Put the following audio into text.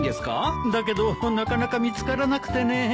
だけどなかなか見つからなくてね。